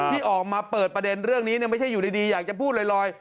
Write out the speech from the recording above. ที่ออกมาเปิดประเด็นเรื่องนี้ไม่ใช่อยู่ดีอยากจะพูดลอย